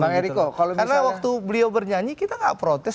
karena waktu beliau bernyanyi kita nggak protes